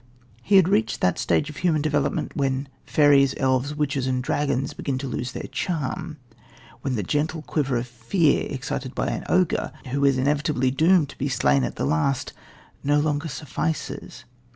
He had reached that stage of human development when fairies, elves, witches and dragons begin to lose their charm, when the gentle quiver of fear excited by an ogre, who is inevitably doomed to be slain at the last, no longer suffices.